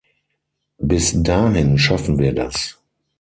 Bis dahin schaffen wir das!